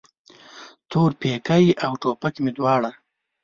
تورپیکی او ټیک مې دواړه